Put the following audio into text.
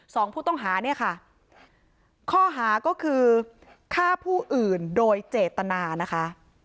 สองผู้ต้องหาเนี่ยค่ะข้อหาก็คือฆ่าผู้อื่นโดยเจตนานะคะ